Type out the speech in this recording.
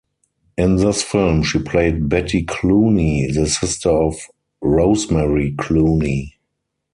In this film she played Betty Clooney, the sister of Rosemary Clooney.